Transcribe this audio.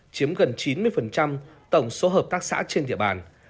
chiếm gần chín mươi tổng số hợp tác xã trên địa bàn